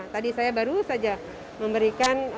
tadi saya baru saja memberikan